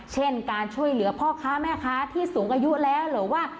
เช่นการช่วยเหลือพ่อค้าแม่ค้าที่สูงอายุแล้วหรือว่า